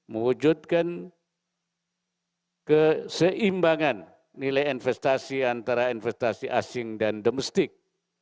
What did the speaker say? mewujudkan keseimbangan nilai investasi antara investasi asing dan domestik